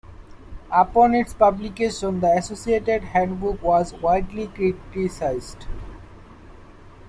Upon its publication, the associated handbook was widely criticised.